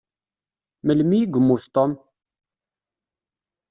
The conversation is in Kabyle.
Melmi i yemmut Tom?